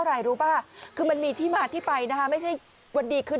อะไรรู้ป่ะคือมันมีที่มาที่ไปนะคะไม่ใช่วันดีขึ้น